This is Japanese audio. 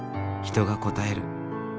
人が答える。